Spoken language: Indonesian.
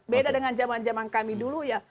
beda dengan zaman zaman kami dulu ya